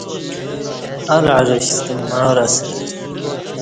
ال عرش ستہ معار اسہ۔